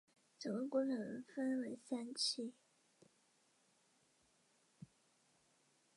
蟋蟀式自走炮为德国在第二次世界大战时所使用的一款自走炮。